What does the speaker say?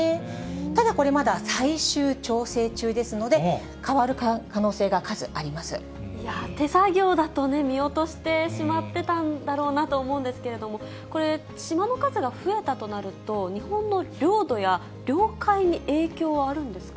ただこれ、まだ最終調整中ですので、手作業だとね、見落としてしまってたんだろうなと思うんですけど、これ、島の数が増えたとなると、日本の領土や領海に影響はあるんですか。